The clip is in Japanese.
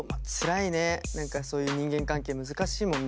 何かそういう人間関係難しいもんね。